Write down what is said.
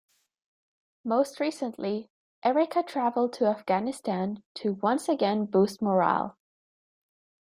Most recently, Ericka traveled to Afghanistan to once again boost morale.